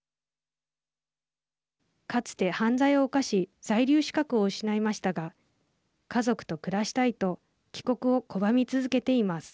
かつて、犯罪を犯し在留資格を失いましたが家族と暮らしたいと帰国を拒み続けています。